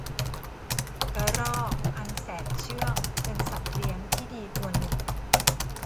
กระรอกอันแสนเชื่องเป็นสัตว์เลี้ยงที่ดีตัวหนึ่ง